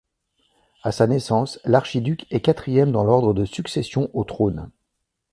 À sa naissance, l'archiduc est quatrième dans l'ordre de succession au trône.